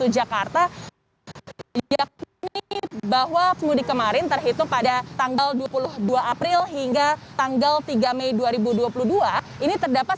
jakarta yakni bahwa pemudik kemarin terhitung pada tanggal dua puluh dua april hingga tanggal tiga mei dua ribu dua puluh dua ini terdapat